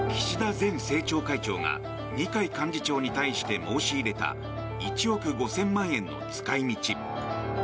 前政調会長が二階幹事長に対して申し入れた１億５０００万円の使い道。